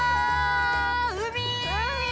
海！